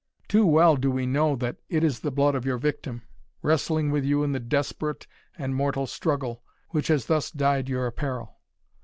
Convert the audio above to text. Too well do we know that it is the blood of your victim, wrestling with you in the desperate and mortal struggle, which has thus dyed your apparel."